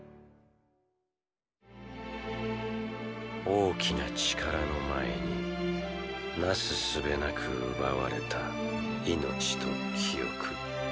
大きな力の前になすすべなく奪われた命と記憶。